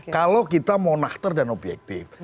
kalau kita monakter dan objektif